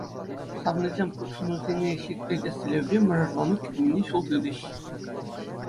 Савнисем хутшӑнусене ҫирӗплетес тӗллевпе мӑшӑрланну керменне ҫул тытӗҫ.